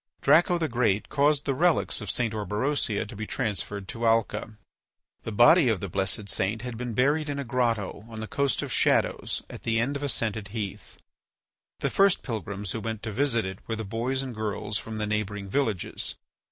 Draco the Great caused the relics of St. Orberosia to be transferred to Alca. The body of the blessed saint had been buried in a grotto on the Coast of Shadows at the end of a scented heath. The first pilgrims who went to visit it were the boys and girls from the neighbouring villages.